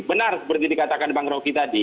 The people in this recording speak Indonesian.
benar seperti dikatakan bang roky tadi